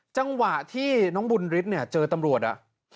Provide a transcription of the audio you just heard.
จังหวะที่น้องบุญฤทธิ์เนี่ยเจอตำรวจ